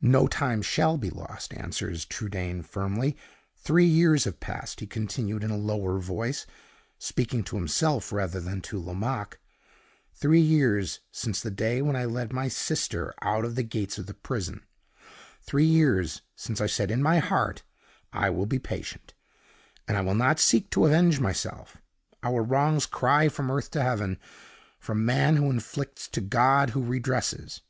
"No time shall be lost," answers, Trudaine, firmly. "Three years have passed," he continued, in a lower voice, speaking to himself rather than to Lomaque; "three years since the day when I led my sister out of the gates of the prison three years since I said in my heart, 'I will be patient, and will not seek to avenge myself. Our wrongs cry from earth to heaven; from man who inflicts to God who redresses.